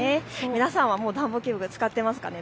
皆さんは暖房器具使っていますかね。